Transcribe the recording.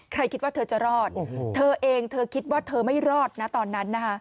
คิดว่าเธอจะรอดเธอเองเธอคิดว่าเธอไม่รอดนะตอนนั้นนะคะ